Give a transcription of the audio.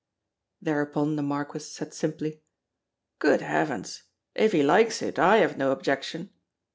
Thereupon the Marquis said simply: "Good heavens! if he likes it, I have no objection."